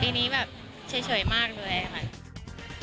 ปีนี้แบบเฉยมากเลยค่ะ